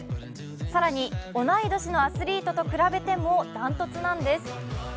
更に同い年のアスリートと比べても断トツなんです。